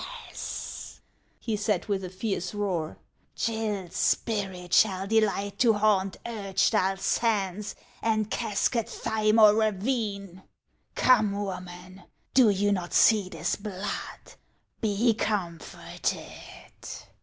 " Yes," he said with a fierce roar, " Gill's spirit shall delight to haunt Urchtal Sands and Cascadthymore ravine. Come, woman, do you not see this blood ? 13e comforted